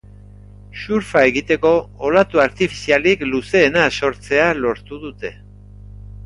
Surfa egiteko olatu artifizialik luzeena sortzea lortu dute.